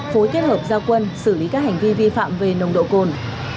phối kết hợp giao quân xử lý các hành vi vi phạm về nồng độ cồn